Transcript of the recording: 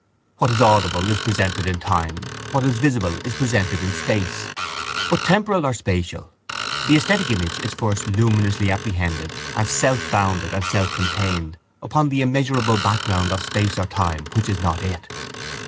What is audible is presented in time, what is visible is presented in space. But temporal or spatial, the esthetic image is first luminously apprehended as selfbounded and selfcontained upon the immeasurable background of space or time which is not it.